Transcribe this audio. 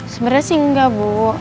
sebenernya sih enggak bu